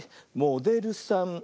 「モデルさん」